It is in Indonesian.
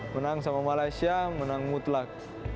menang sama malaysia menang mutlak